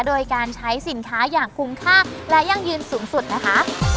โดยการใช้สินค้าอย่างคุ้มค่าและยั่งยืนสูงสุดนะคะ